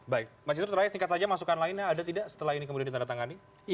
baik mas citru terakhir singkat saja masukan lainnya ada tidak setelah ini kemudian ditandatangani